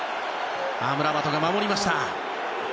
アムラバトが守りました。